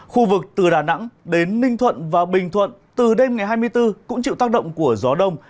khu vực từ đà nẵng đến ninh thuận và bình thuận từ đêm ngày hai mươi bốn cũng chịu tác động của gió đông